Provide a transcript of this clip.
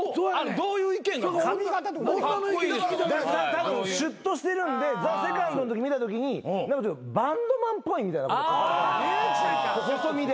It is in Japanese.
たぶんシュッとしてるんでＴＨＥＳＥＣＯＮＤ見たときにバンドマンっぽいみたいな細身で。